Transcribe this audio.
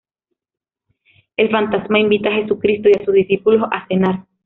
El fantasma invita a Jesucristo y a sus discípulos a cenar.